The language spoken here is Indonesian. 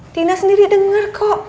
tina sendiri denger kok